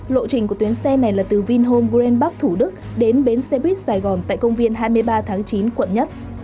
lộ trình của tuyến xe này là từ vinhome greenbuk thủ đức đến bến xe buýt sài gòn tại công viên hai mươi ba tháng chín quận một